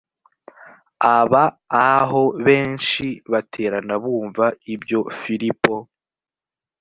ab aho benshi baraterana bumva ibyo filipo